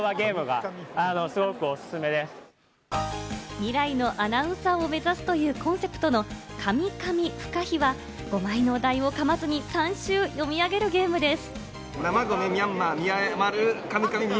未来のアナウンサーを目指すというコンセプトのカミカミフカヒは、お題を噛まずに３周読み上げるゲームです。